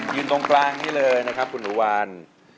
ตรงกลางนี้เลยนะครับคุณหนูวาน